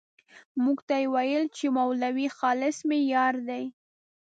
موږ ته یې ويل چې مولوي خالص مې يار دی.